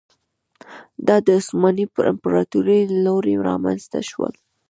دا د عثماني امپراتورۍ له لوري رامنځته شول.